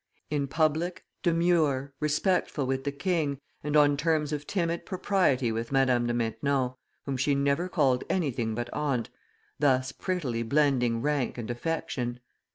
"In public, demure, respectful with the king, and on terms of timid propriety with Madame de Maintenon, whom she never called anything but aunt, thus prettily blending rank and affection.